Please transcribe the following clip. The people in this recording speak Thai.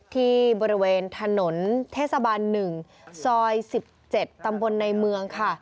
ที่บริเวณถนนเทศบาล๑ซอย๑๗ตำบลในเมืองค่ะ